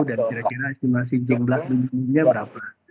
dan kira kira estimasi jumlah penyumbangnya berapa